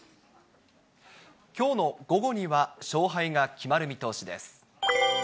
きょうの午後には勝敗が決まる見通しです。